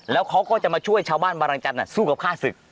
แล้วเขาก็จะมาช่วยชาวบ้านบารังจันทร์สู้กับฆ่าศึก